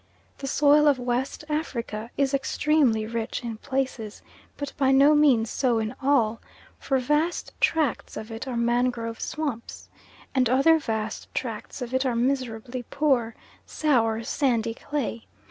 The soil of West Africa is extremely rich in places, but by no means so in all, for vast tracts of it are mangrove swamps, and other vast tracts of it are miserably poor, sour, sandy clay.